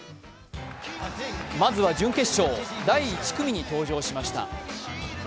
まずは準決勝、第１組に登場しました。